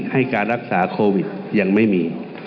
ให้การรักษาโควิดยังไม่มี